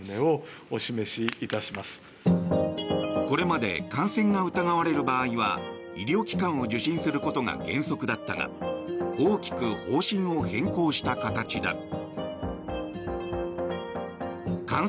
これまで感染が疑われる場合は医療機関を受診することが原則だったが大きく方針を変更した形だ。